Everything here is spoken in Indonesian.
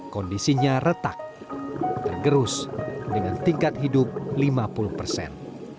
kondisinya retak tergerus dengan tingkat hidup lima puluh persen